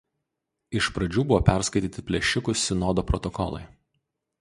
Iš pradžių buvo perskaityti „plėšikų sinodo“ protokolai.